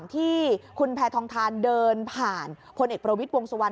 ที่คุณแพทองทานเดินผ่านพลเอกประวิทย์วงสุวรร